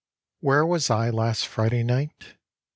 Where was I last Friday night?